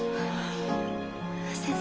先生